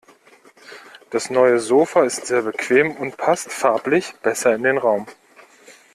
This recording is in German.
Das neue Sofa ist sehr bequem und passt farblich besser in den Raum.